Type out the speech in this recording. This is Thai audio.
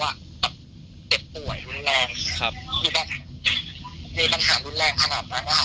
แบบเจ็บป่วยรุนแรงคือแบบมีปัญหารุนแรงขนาดนั้นนะคะ